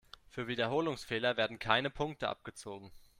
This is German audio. Für Wiederholungsfehler werden keine Punkte abgezogen.